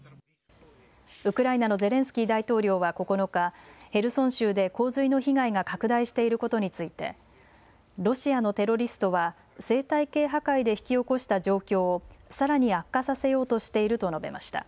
ウクライナのゼレンスキー大統領は９日ヘルソン州で洪水の被害が拡大していることについてロシアのテロリストは生態系破壊で引き起こした状況をさらに悪化させようとしていると述べました。